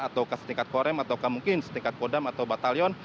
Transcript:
atau setingkat korem atau setingkat kodam atau batalion